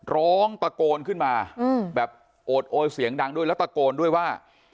ร้องตะโกนขึ้นมาแบบโอดโอยเสียงดังด้วยแล้วตะโกนด้วยว่า